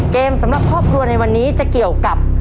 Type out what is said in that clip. สำหรับครอบครัวในวันนี้จะเกี่ยวกับ